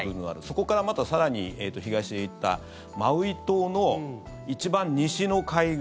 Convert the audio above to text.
そこからまた更に東へ行ったマウイ島の一番西の海岸